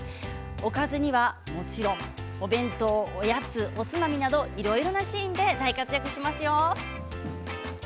おかずにはもちろんお弁当、おやつ、おつまみなどいろいろなシーンで大活躍しますよ。